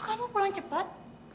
kok kamu pulang cepat